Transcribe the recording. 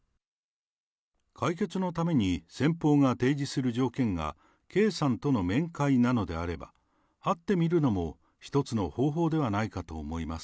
解決のために先方が提示する条件が、圭さんとの面会なのであれば、会ってみるのも一つの方法ではないかと。